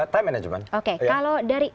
time management oke kalau dari